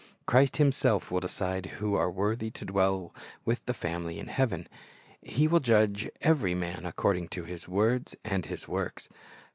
"' Christ Himself will decide who are worthy to dwell with the family of heaven. He ' will judge every man according to his words and his works.